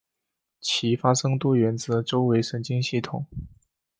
其发生多源自周围神经系统。